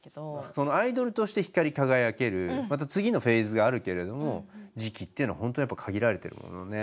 そのアイドルとして光り輝けるまた次のフェーズがあるけれども時期っていうのはホントやっぱ限られてるものね。